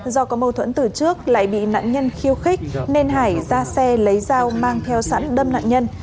do có mâu thuẫn từ trước lại bị nạn nhân khiêu khích nên hải ra xe lấy dao mang theo sẵn đâm nạn nhân